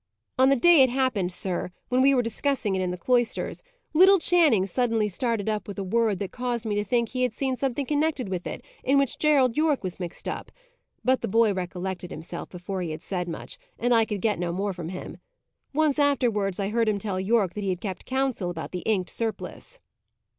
"On the day it happened, sir, when we were discussing it in the cloisters, little Channing suddenly started up with a word that caused me to think he had seen something connected with it, in which Gerald Yorke was mixed up. But the boy recollected himself before he had said much, and I could get no more from him. Once afterwards I heard him tell Yorke that he had kept counsel about the inked surplice."